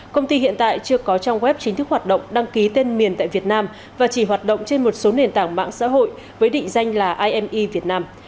công ty hiện tại chưa có trang web chính thức hoạt động đăng ký tên miền tại việt nam và chỉ hoạt động trên một số nền tảng mạng xã hội với định danh là ime việt nam